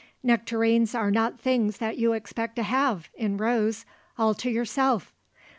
Nectarines are not things that you expect to have, in rows, all to yourself.